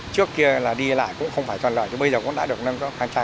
trước kia là đi lại cũng không phải toàn lợi bây giờ cũng đã được nâng cấp